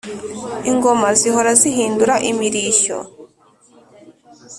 Ingoma zihora zihindura imirishyo